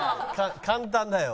簡単だよ。